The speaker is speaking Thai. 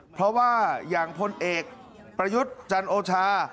เพราะว่าอย่างพลเอกประยุทธ์จันโอชา